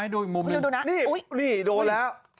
ดูอีกมุมนึงโอ้ยโอ้ยนี่โดนแล้ว